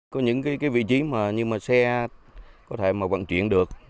có những vị trí mà xe có thể vận chuyển được